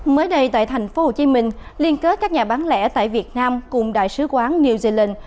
mới đây tại tp hcm liên kết các nhà bán lẻ tại việt nam cùng đại sứ quán new zealand